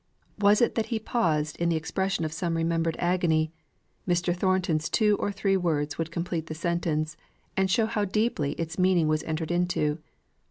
Was it that he paused in the expression of some remembered agony, Mr. Thornton's two or three words would complete the sentence, and show how deeply its meaning was entered into.